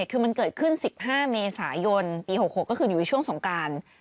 คือมันเกิดขึ้นสิบห้าเมษายนปีหกหกก็คืนอยู่ในช่วงสงการ